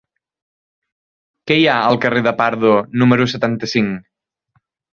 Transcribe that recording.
Què hi ha al carrer de Pardo número setanta-cinc?